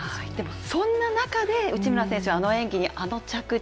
そんな中で内村選手、あの演技に、あの着地。